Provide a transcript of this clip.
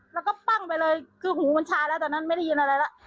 แล้วก็ปั้งไปเลยคือหูมันชาแล้วตอนนั้นไม่ได้ยินอะไรแล้ว